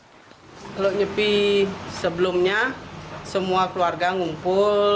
kalau nyepi sebelumnya semua keluarga ngumpul